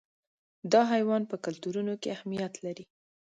دا حیوان په کلتورونو کې اهمیت لري.